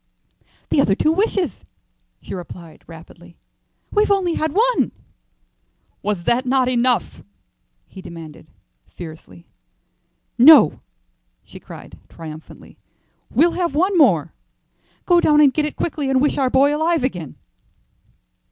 "The other two wishes," she replied, rapidly. "We've only had one." "Was not that enough?" he demanded, fiercely. "No," she cried, triumphantly; "we'll have one more. Go down and get it quickly, and wish our boy alive again."